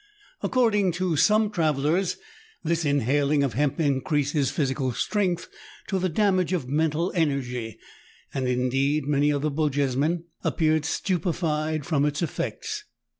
According to some travellers, this inhaling of hemp increases physical strength to the damage of mental energy ; and, indeed, many of the Bochjesmen appeared stupefied from its effects.